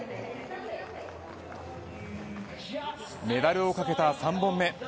メダルをかけた３本目。